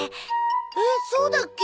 えっそうだっけ？